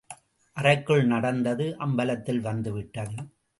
அறைக்குள் நடந்தது அம்பலத்தில் வந்து விட்டது.